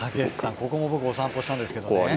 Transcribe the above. ここも僕おさんぽしたんですけどね